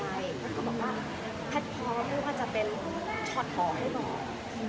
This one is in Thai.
เขาก็บอกว่าแพทย์พร้อมว่าจะเป็นชอดถอดให้บอก